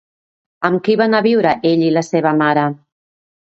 Amb qui van anar a viure ell i la seva mare?